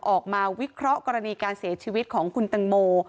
ออกมาวิเคราะห์กรณีการเสียชีวิตของคุณตังโม